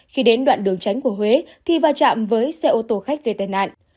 khi đến đoạn đường tránh của huế thì va chạm với xe ô tô khách gây tai nạn